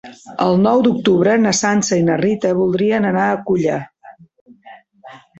El nou d'octubre na Sança i na Rita voldrien anar a Culla.